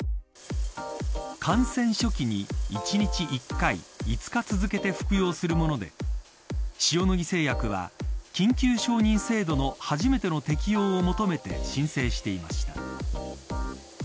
感染初期に１日１回５日続けて服用するもので塩野義製薬は緊急承認制度の初めての適用を求めて申請していました。